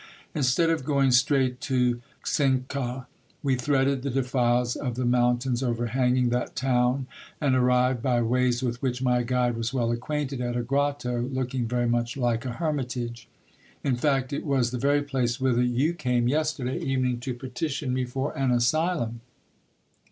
Instead of going straight to Cuenca, we threaded the defiles of the mountains overhanging that town, and arrived, by ways with which my guide was well acquainted, at a grotto looking very much like a hermitage. In fact, it was the very place whither you came yesterday evening to petition me for an asylum.